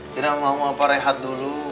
tidak mau apa rehat dulu